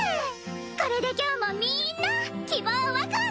これで今日もみんな希望ワクワク！